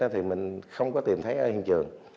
thì mình không có tìm thấy ở hiện trường